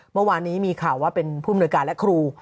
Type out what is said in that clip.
เมื่อวานนี้มีข่าวว่าเป็นผู้มนวยการและครู